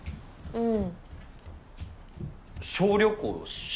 うん。